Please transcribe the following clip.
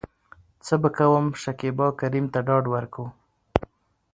څه به کوم.شکيبا کريم ته ډاډ ورکو .